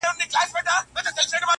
زما گلاب ،گلاب دلبره نور به نه درځمه